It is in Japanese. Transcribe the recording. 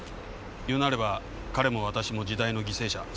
言うなれば彼も私も時代の犠牲者そういう事です。